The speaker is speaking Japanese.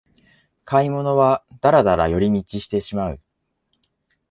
買い物はダラダラ寄り道してしまう